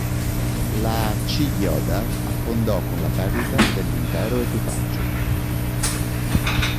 La "Chiyoda" affondò con la perdita dell'intero equipaggio.